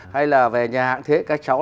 hay là về nhà hãng thế